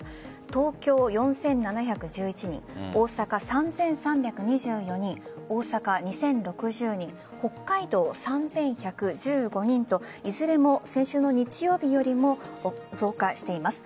東京４７１１人大阪３３２４人北海道３１１５人といずれも先週の日曜日よりも増加しています。